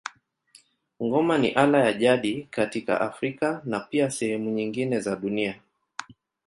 Ngoma ni ala ya jadi katika Afrika na pia sehemu nyingine za dunia.